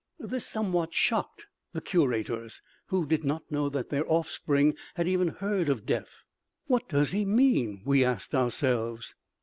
This somewhat shocked the curators, who did not know that their offspring had even heard of death. "What does he mean?" we asked ourselves.